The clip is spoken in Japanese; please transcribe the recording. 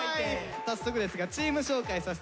早速ですがチーム紹介させて下さい。